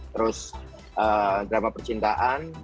terus drama percintaan